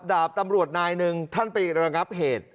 ดาบตำรวจนายหนึ่งท่านไประงับเหตุ